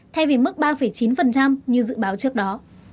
thay vì mức ba chín như dự báo trước đó